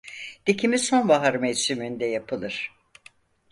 Dikimi sonbahar mevsiminde yapılır.